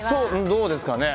どうですかね。